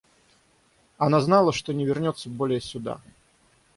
Она знала, что не вернется более сюда.